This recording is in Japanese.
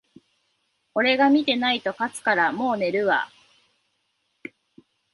俺が見てないと勝つから、もう寝るわ